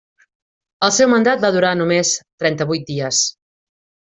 El seu mandat va durar només trenta-vuit dies.